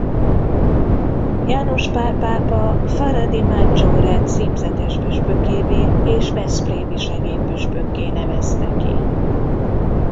János Pál pápa Fara di Maggiore címzetes püspökévé és veszprémi segédpüspökké nevezte ki.